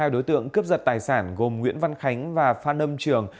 hai đối tượng cướp giật tài sản gồm nguyễn văn khánh và phan lâm trường